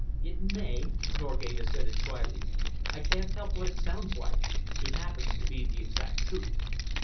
"It may," Norgate assented drily. "I can't help what it sounds like. It happens to be the exact truth."